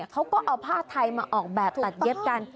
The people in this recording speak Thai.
เขาก็เอาผ้าไทยมาออกแบบตัดเย็บกัน